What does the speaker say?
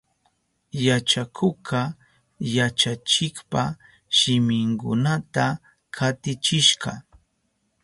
Yachakukka yachachikpa shiminkunata katichishka.